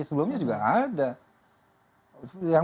sebelumnya juga ada